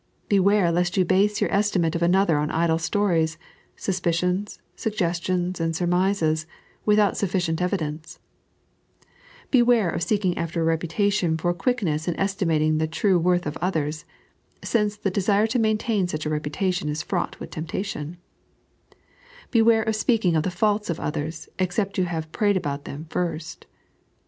Be ware lest you base your estimate of another on idle stories, suspicions, suggestions, and surmises, and without sufficient evidence t Beware of seeking after a reputation for quick ness in estimating the true worth of otheis, since the desire to maintain such a reputation is fraught with temptation 1 Beware of speaking of the faulta of others, except you have prayed about them first